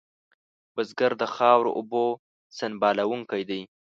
بزګر د خاورو اوبو سنبالونکی دی